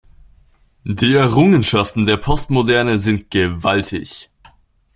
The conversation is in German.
Die Errungenschaften der Postmoderne sind gewaltig.